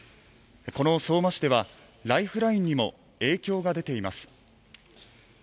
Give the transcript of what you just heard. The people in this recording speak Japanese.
この相馬市ではライフラインにも影響が出ています